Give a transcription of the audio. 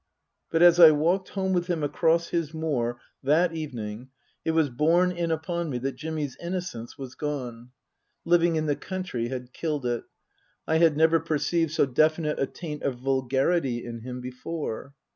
But as I walked home with him across his moor that Book II : Her Book 219 evening it was borne in upon me that Jimmy's innocence was gone. Living in the country had killed it. I had never perceived so definite a taint of vulgarity in him before.